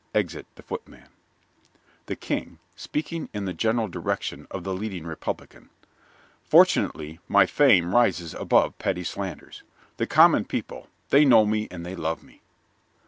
(Exit the Footman.) THE KING (speaking in the general direction of the Leading Republican) Fortunately, my fame rises above petty slanders. The common people, they know me and they love me.